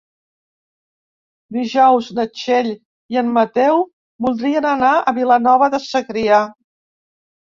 Dijous na Txell i en Mateu voldrien anar a Vilanova de Segrià.